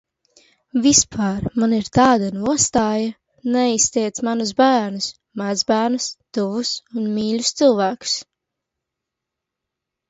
Vispār man ir tāda nostāja: neaiztiec manus bērnus, mazbērnus, tuvus un mīļus cilvēkus.